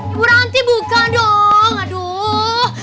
ibu ranti bukan dong aduh